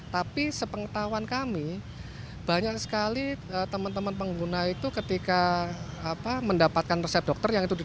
tapi sepengetahuan kami banyak sekali teman teman pengguna itu ketika mendapatkan resep dokter yang itu di